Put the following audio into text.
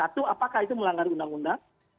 atau apakah itu melanggar undang undang